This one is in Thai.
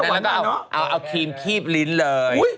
นั่นรึเปล่าเอาครีมคีบลิ้นเลย